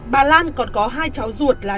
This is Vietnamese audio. bà lan còn có hai cháu ruột là